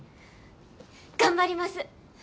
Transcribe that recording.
頑張ります。